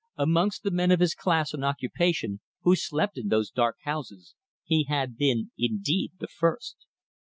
Amongst the men of his class and occupation who slept in those dark houses he had been indeed the first.